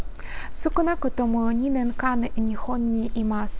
少なくとも２年間、日本にいます。